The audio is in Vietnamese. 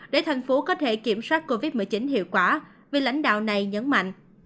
để thành phố có thể kiểm soát covid một mươi chín hiệu quả vì lãnh đạo này nhấn mạnh